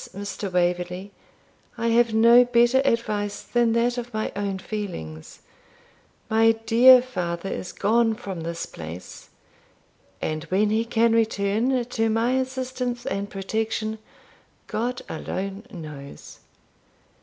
Mr. Waverley, I have no better advice than that of my own feelings; my dear father is gone from this place, and when he can return to my assistance and protection, God alone knows.